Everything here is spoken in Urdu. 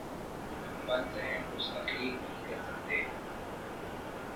بند ذہن کچھ تخلیق نہیں کر سکتے۔